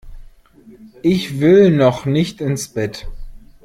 Ich will noch nicht ins Bett!